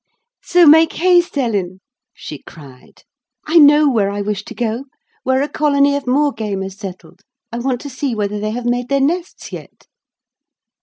"So make haste, Ellen!" she cried. "I know where I wish to go; where a colony of moor game are settled: I want to see whether they have made their nests yet."